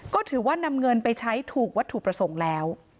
ก็ถือว่านำเงินไปใช้ถูกวัตถุประสงค์แล้ว